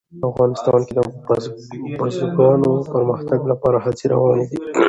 افغانستان کې د بزګانو د پرمختګ لپاره هڅې روانې دي.